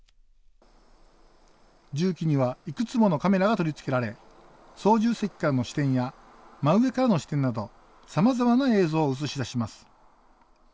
重機にはいくつものカメラが取り付けられ操縦席からの視点や真上からの視点などさまざまな映像を映し出します。